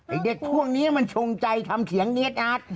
ไอ้เด็กช่วงนี้มันชงใจทำเสียงเนี๊ยดอัด